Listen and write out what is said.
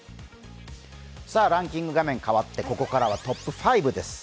ランキング画面変わってここからはトップ５です。